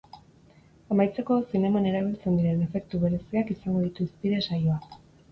Amaitzeko, zineman erabiltzen diren efektu bereziak izango ditu hizpide saioak.